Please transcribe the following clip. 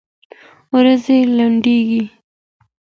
ورځي لنډيږي